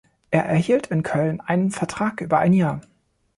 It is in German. Er erhielt in Köln einen Vertrag über ein Jahr.